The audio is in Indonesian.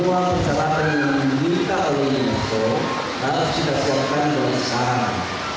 semua peserta yang meminta alun iso harus disiapkan bersama